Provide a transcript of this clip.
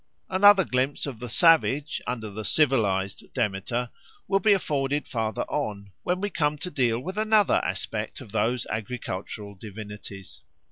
Another glimpse of the savage under the civilised Demeter will be afforded farther on, when we come to deal with another aspect of those agricultural divinities.